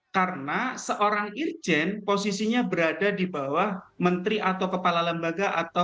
karena seorang irjen posisinya berada di bawah menteri atau kepala lembaga atau komitmen